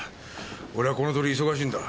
俺はこのとおり忙しいんだ。